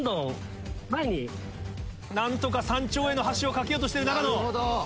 何とか山頂への橋を架けようとしている長野。